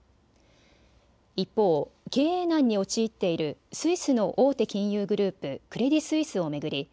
一方、経営難に陥っているスイスの大手金融グループ、クレディ・スイスを巡り